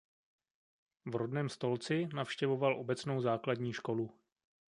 V rodném Stolci navštěvoval obecnou základní školu.